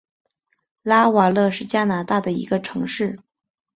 拉瓦勒是加拿大的一个城市。